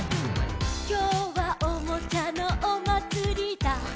「きょうはおもちゃのおまつりだ」